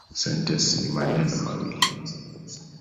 Sentensi ni maneno mawili